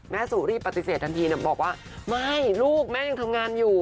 แม่ศู่รีบปฏิเสธทันทีบอกว่า